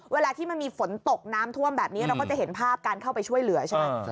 เวลาที่มันมีฝนตกน้ำท่วมแบบนี้เราก็จะเห็นภาพการเข้าไปช่วยเหลือใช่ไหม